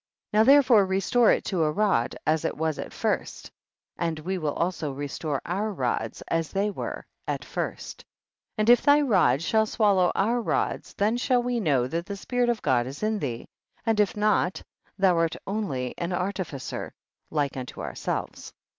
40. Now therefore restore it to a rod as it was at first, and we will also restore our rods as they were at first, and if thy rod shall swallow our rods, then shall we know that the spirit of God is in thee, and if not, thou art only an artificer like unto ourselves.